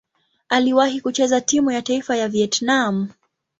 Aliwahi kucheza timu ya taifa ya Vietnam.